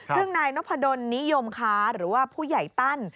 ซึ่งนายนพดลนิยมค้าหรือว่าผู้ใหญ่ตั้น